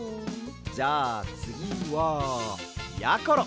じゃあつぎはやころ！